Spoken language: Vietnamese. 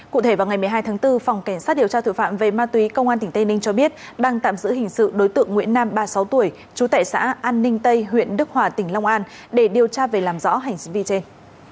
cụ thể vào ngày một mươi hai tháng bốn phòng cảnh sát điều tra tội phạm về ma túy công an tỉnh tây ninh cho biết đang tạm giữ hình sự đối tượng nguyễn nam ba mươi sáu tuổi trú tại xã an ninh tây huyện đức hòa tỉnh long an để điều tra về làm rõ hành vi trên